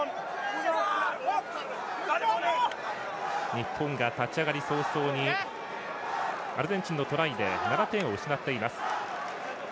日本が立ち上がり早々にアルゼンチンのトライで７点を失っています。